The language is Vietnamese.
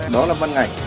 đó là văn ngành